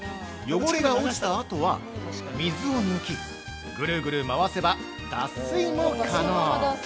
◆汚れが落ちたあとは、水を抜き、ぐるぐる回せば、脱水も可能。